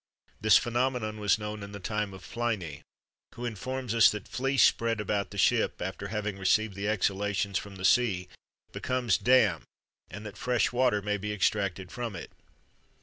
This phenomenon was known in the time of Pliny, who informs us that, "fleece spread about the ship, after having received the exhalations from the sea, becomes damp, and that fresh water may be extracted from it."